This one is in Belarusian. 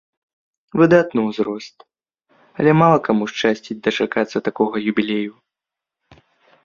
Выдатны ўзрост, але мала каму шчасціць дачакацца такога юбілею.